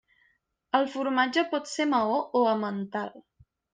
El formatge pot ser maó o emmental.